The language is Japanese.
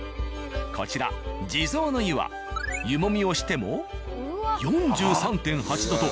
こちら地蔵の湯は湯もみをしても４３．８℃とかなり高温。